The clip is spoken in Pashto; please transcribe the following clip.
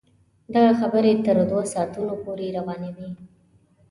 دغه خبرې تر دوه ساعتونو پورې روانې وې.